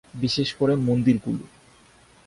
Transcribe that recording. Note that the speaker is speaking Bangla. বিশেষ করে মন্দিরগুলো।